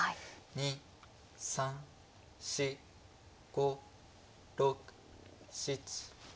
２３４５６７。